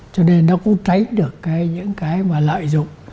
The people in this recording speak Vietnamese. cho nên nó cũng tránh được những cái mà lợi dụng